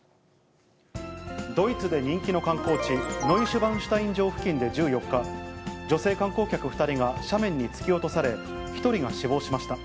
ドイツで人気の観光地、ノイシュバンシュタイン城付近で１４日、女性観光客２人が斜面に突き落とされ、１人が死亡しました。